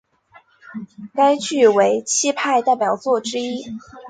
该剧为戚派代表作之一。